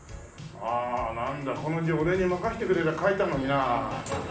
ああなんだこの字俺に任せてくれりゃ書いたのになあ。